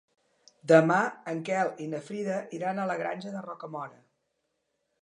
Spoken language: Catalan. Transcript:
Demà en Quel i na Frida iran a la Granja de Rocamora.